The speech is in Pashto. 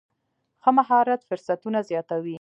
ښه مهارت فرصتونه زیاتوي.